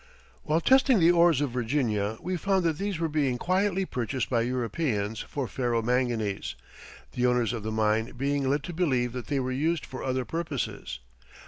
While testing the ores of Virginia we found that these were being quietly purchased by Europeans for ferro manganese, the owners of the mine being led to believe that they were used for other purposes.